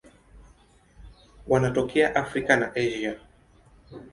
Wanatokea Afrika na Asia.